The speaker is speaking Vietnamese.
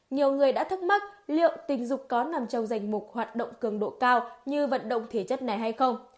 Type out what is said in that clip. nhiều người đã thắc mắc liệu tình dục có nằm trong danh mục hoạt động cường độ cao như vận động thể chất này hay không